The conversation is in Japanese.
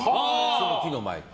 その木の前で。